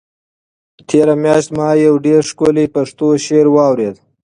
تېره میاشت ما یو ډېر ښکلی پښتو شعر واورېد.